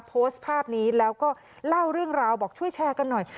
โพสต์ภาพนี้แล้วก็เล่าเรื่องราวบอกช่วยแชร์กันหน่อย